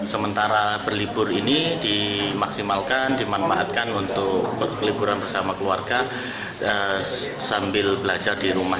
sementara berlibur ini dimaksimalkan dimanfaatkan untuk berliburan bersama keluarga sambil belajar di rumah